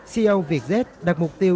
ceo vietjet đặt mục tiêu